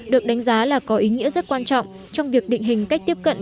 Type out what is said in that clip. được đánh giá là có ý nghĩa rất quan trọng trong việc định hình cách tiếp cận